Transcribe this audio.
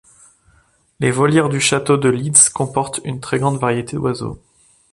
Les volières du château de Leeds comportent une très grande variété d'oiseau.